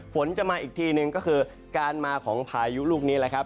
ฝนจะมาอีกทีหนึ่งก็คือการมาของพายุลูกนี้แหละครับ